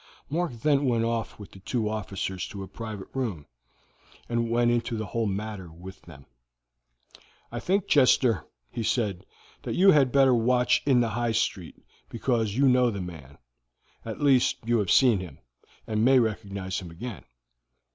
Mark then went off with the two officers to a private room, and went into the whole matter with them. "I think, Chester," he said, "that you had better watch in the High Street, because you know the man. At least, you have seen him, and may recognize him again."